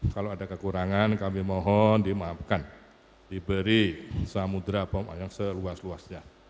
kalau ada kekurangan kami mohon dimaafkan diberi samudera yang seluas luasnya